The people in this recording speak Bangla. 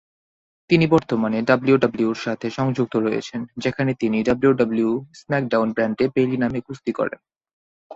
তিনি বর্তমানে ডাব্লিউডাব্লিউইর সাথে সংযুক্ত রয়েছেন, যেখানে তিনি ডাব্লিউডাব্লিউই স্ম্যাকডাউন ব্র্যান্ডে বেইলি নামে কুস্তি করেন।